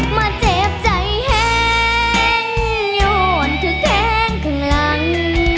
มาเจ็บใจแห้งโยนเธอแท้งข้างหลัง